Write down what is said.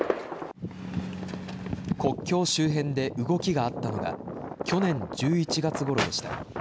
国境周辺で動きがあったのが去年の１１月ごろでした。